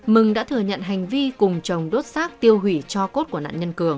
mừng đã thừa nhận hành vi cùng chồng đốt xác tiêu hủy cho cốt của nạn nhân cường